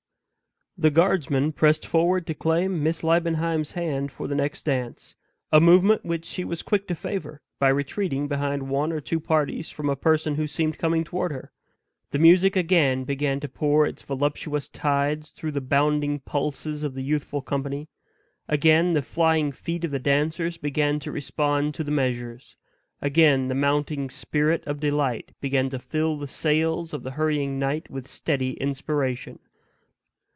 The guardsman pressed forward to claim Miss Liebenheim's hand for the next dance; a movement which she was quick to favor, by retreating behind one or two parties from a person who seemed coming toward her. The music again began to pour its voluptuous tides through the bounding pulses of the youthful company; again the flying feet of the dancers began to respond to the measures; again the mounting spirit of delight began to fill the sails of the hurrying night with steady inspiration.